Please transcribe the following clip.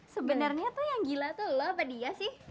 sebenernya tuh yang gila tuh lu apa dia sih